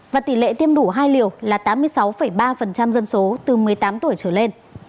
và tỷ lệ tiêm đủ hai liều là tám mươi sáu ba dân số từ một mươi tám tuổi trở lên